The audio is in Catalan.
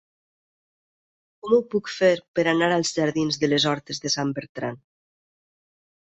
Com ho puc fer per anar als jardins de les Hortes de Sant Bertran?